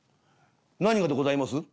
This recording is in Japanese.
「何がでございます？」。